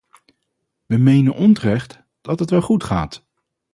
We menen onterecht "dat het wel goed gaat".